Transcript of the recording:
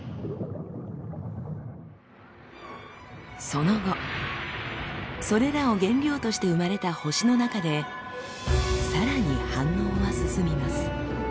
その後それらを原料として生まれた星の中でさらに反応は進みます。